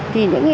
thì những người